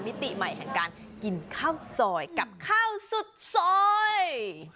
มิติใหม่แห่งการกินข้าวซอยกับข้าวสุดซอย